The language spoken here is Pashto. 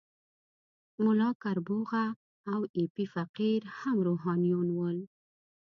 ملا کربوغه او ایپی فقیر هم روحانیون ول.